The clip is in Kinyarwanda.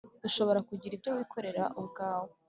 ushobore kugira ibyo wikorera ubwawe